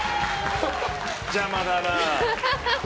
邪魔だな。